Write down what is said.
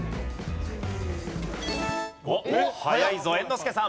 早いぞ猿之助さん。